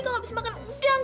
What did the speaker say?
kalau abis makan udang